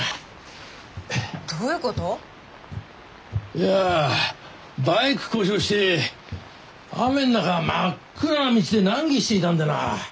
いやバイク故障して雨ん中真っ暗な道で難儀していたんでな